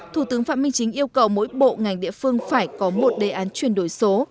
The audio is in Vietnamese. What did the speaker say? thủ tướng phạm minh chính yêu cầu mỗi bộ ngành địa phương phải có một đề án chuyển đổi số